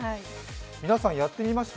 皆さん、やってみました？